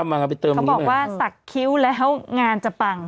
บอกว่าศักดิ์คิ้วแล้วงานจะปั่ง